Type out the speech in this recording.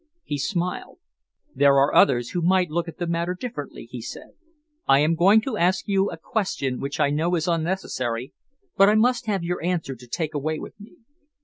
He smiled. "There are others who might look at the matter differently," he said. "I am going to ask you a question which I know is unnecessary, but I must have your answer to take away with me.